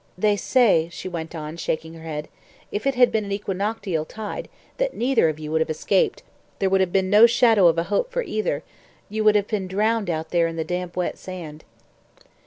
They say," she went on, shaking her head, "if it had been an equinoctial tide, that neither of you would have escaped there would have been no shadow of a hope for either you would both have been drowned out there in the damp, wet sand."